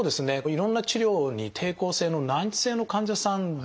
いろんな治療に抵抗性の難治性の患者さんでもですね